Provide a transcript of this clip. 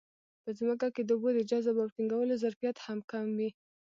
په ځمکه کې د اوبو د جذب او ټینګولو ظرفیت هم کم وي.